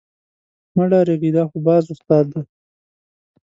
مه ډارېږئ دا خو باز استاد دی.